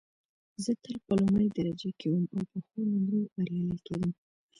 زه تل په لومړۍ درجه کې وم او په ښو نومرو بریالۍ کېدم